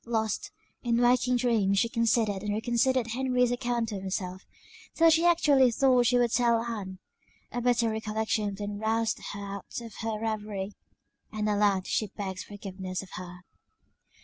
Lost, in waking dreams, she considered and reconsidered Henry's account of himself; till she actually thought she would tell Ann a bitter recollection then roused her out of her reverie; and aloud she begged forgiveness of her.